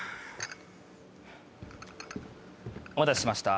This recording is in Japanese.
お待たせしました。